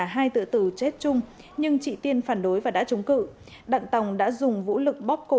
hai tự tử chết chung nhưng chị tiên phản đối và đã trúng cử đặng tòng đã dùng vũ lực bóp cổ